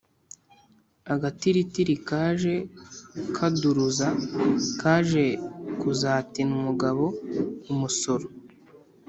Agatiritiri kaje kaduruza, kaje kuzatina umugabo-Umusoro.